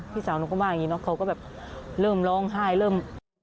พี่สาวหนูก็ว่าอย่างนี้เนาะเขาก็แบบเริ่มร้องไห้เริ่ม